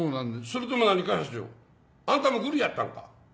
それとも何かい社長あんたもグルやったんか？